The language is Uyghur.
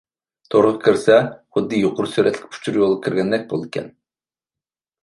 تورغا كىرسە، خۇددى يۇقىرى سۈرئەتلىك ئۇچۇر يولىغا كىرگەندەك بولىدىكەن.